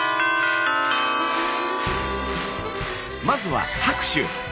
まずは拍手。